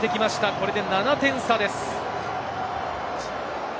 これで７点差です。